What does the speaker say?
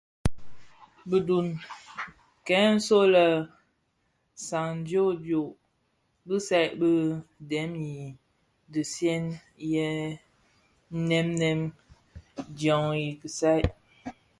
Bëdhub këň nso lè sadioodioo bisai bị dèm i ndigsièn yè nèm nèm dyan i kisaï.